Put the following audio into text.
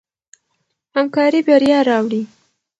همکاري بریا راوړي.